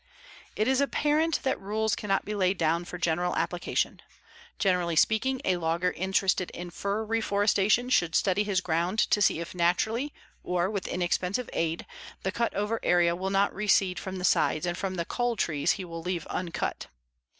It is apparent that rules cannot be laid down for general application. Generally speaking, a logger interested in fir reforestation should study his ground to see if naturally, or, with inexpensive aid, the cut over area will not reseed from the sides and from the cull trees he will leave uncut.